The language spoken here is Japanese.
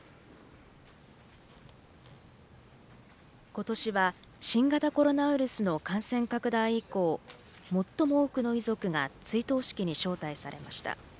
今年は、新型コロナウイルスの感染拡大以降最も多くの遺族が追悼式に招待されました。